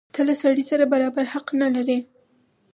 ته له سړي سره برابر حق نه لرې.